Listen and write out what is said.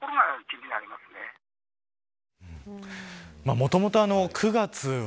もともと９月は